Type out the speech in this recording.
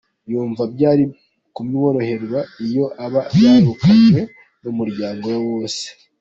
Yumva byari kumuryohera iyo aba yarakuranye n’umuryango we wose.